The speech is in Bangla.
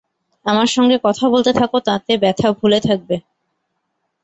আমার সঙ্গে কথা বলতে থাকো, তাতে ব্যথা ভুলে থাকবে।